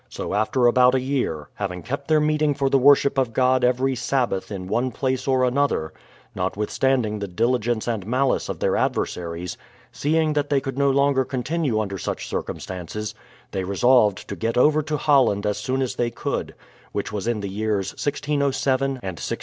So after about a year, having kept their meeting for the worship of God every Sabbath in one place or another, notwithstanding the dili gence and malice of their adversaries, seeing that they could no longer continue under such circumstances, they resolved to get over to Holland as soon as they could — which was in the years 1607 and 1608.